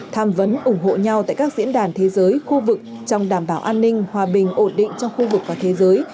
tham vấn ủng hộ nhau tại các diễn đàn thế giới khu vực trong đảm bảo an ninh hòa bình ổn định trong khu vực và thế giới